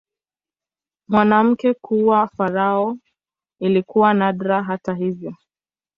Mwanamke kuwa farao ilikuwa nadra, hata hivyo.